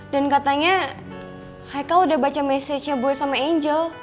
dan katanya hai kel udah baca mesejnya boy sama angel